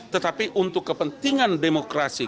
tetapi untuk kepentingan demokrasi